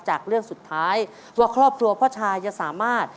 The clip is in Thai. จากเรื่องสุดท้ายว่าครอบครัวพ่อชายจะสามารถ